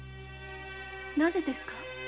なぜですか？